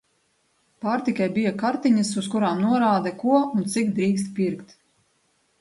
Pārtikai bija "kartiņas", uz kurām norāde, ko un cik drīkst pirkt.